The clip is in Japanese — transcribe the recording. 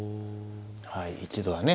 はい一度はね